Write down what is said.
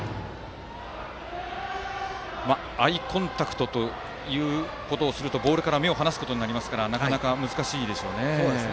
アイコンタクトをするとボールから目を離すことになりますからなかなか難しいでしょうね。